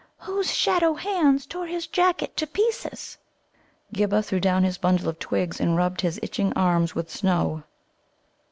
Whose shadow hands tore his jacket to pieces?" Ghibba threw down his bundle of twigs, and rubbed his itching arms with snow.